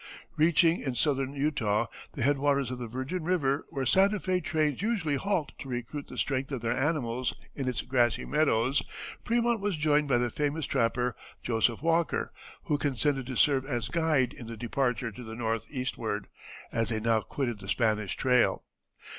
Reaching, in Southern Utah, the head waters of the Virgin River, where Santa Fé trains usually halt to recruit the strength of their animals in its grassy meadows, Frémont was joined by the famous trapper, Joseph Walker, who consented to serve as guide in the departure to the northeastward, as they now quitted the Spanish trail.